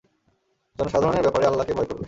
জনসাধারণের ব্যাপারে আল্লাহকে ভয় করবে।